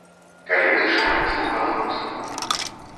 Калі выйшла, слухала музыку.